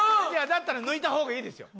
だったら抜いた方がいいですよ。